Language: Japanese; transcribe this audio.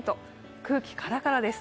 空気、カラカラです。